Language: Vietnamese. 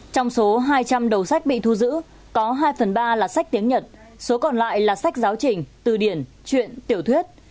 trong số hai trăm linh đầu sách bị thu giữ có hai phần ba là sách tiếng nhật số còn lại là sách giáo trình từ điển chuyện tiểu thuyết